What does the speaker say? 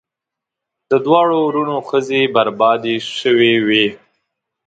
د دواړو وروڼو ښځې بربادي شوې وې.